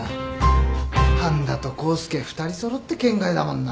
半田と康介２人揃って圏外だもんな。